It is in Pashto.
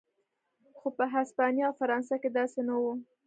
خو په هسپانیا او فرانسه کې داسې نه و.